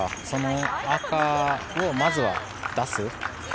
その赤をまずは出す。